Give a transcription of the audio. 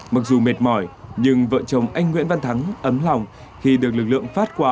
mặc dù mệt mỏi nhưng vợ chồng anh nguyễn văn thắng ấm lòng khi được lực lượng phát quà